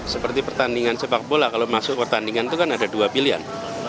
seperti pertandingan sepak bola kalau masuk pertandingan itu kan ada dua pilihan